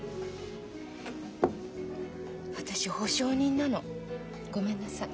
私保証人なの。ごめんなさい。